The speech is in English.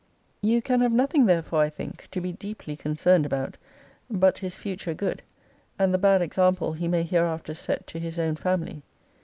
You can have nothing, therefore, I think, to be deeply concerned about, but his future good, and the bad example he may hereafter set to his own family.